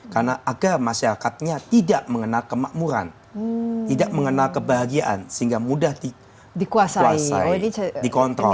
karena agar masyarakatnya tidak mengenal kemakmuran tidak mengenal kebahagiaan sehingga mudah dikuasai dikontrol